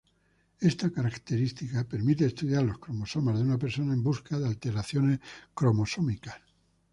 Esta característica permite estudiar los cromosomas de una persona en busca de alteraciones cromosómicas.